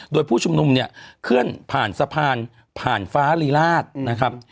โดยผู้ชุมนุมเนี่ยเคลื่อนผ่านสะพานผ่านฟ้ารีราชนะครับ